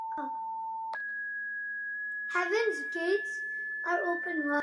Heaven's gates are open wide.